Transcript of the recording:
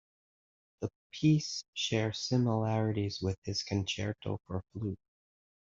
The piece shares similarities with his concerto for flute.